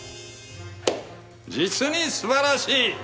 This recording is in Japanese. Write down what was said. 実にすばらしい。